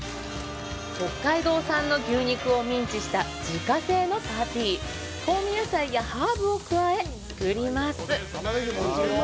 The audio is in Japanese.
北海道産の牛肉をミンチした自家製のパティ香味野菜やハーブを加え作ります